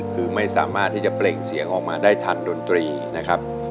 คือไม่สามารถที่จะเปล่งเสียงออกมาได้ทันดนตรีนะครับ